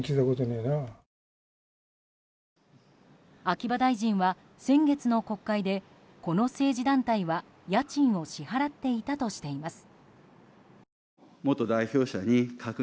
秋葉大臣は先月の国会でこの政治団体は、家賃を支払っていたとしています。